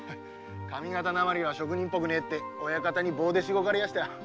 上方訛りは職人っぽくねえって親方にしごかれやした。